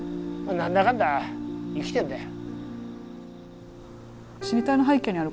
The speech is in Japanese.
何だかんだ生きてんだよ。